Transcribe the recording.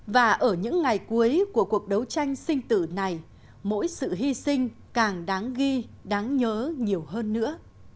và ở những ngày cuối của cuộc đấu tranh sinh tử này mỗi sự hy sinh càng đáng ghi đáng nhớ nhiều hơn nữa